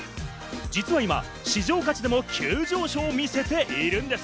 実は今、市場価値でも急上昇を見せているんです。